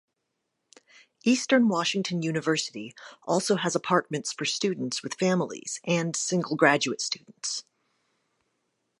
Eastern Washington University also has apartments for students with families and single graduate students.